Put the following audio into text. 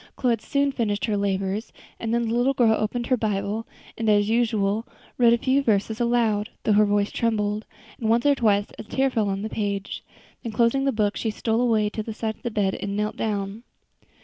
Chloe had soon finished her labors, and then the little girl opened her Bible, and, as usual, read a few verses aloud, though her voice trembled, and once or twice a tear fell on the page; then closing the book she stole away to the side of the bed and knelt down.